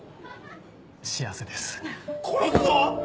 幸せです